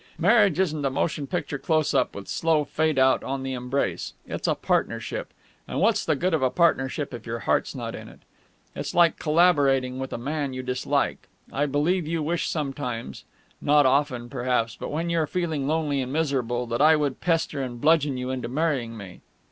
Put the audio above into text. Marriage isn't a motion picture close up with slow fade out on the embrace. It's a partnership, and what's the good of a partnership if your heart's not in it? It's like collaborating with a man you dislike.... I believe you wish sometimes not often, perhaps, but when you're feeling lonely and miserable that I would pester and bludgeon you into marrying me....